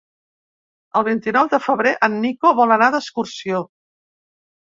El vint-i-nou de febrer en Nico vol anar d'excursió.